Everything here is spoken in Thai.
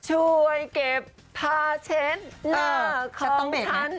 ช่วยเก็บผ้าเช็ดหน้าของทั้น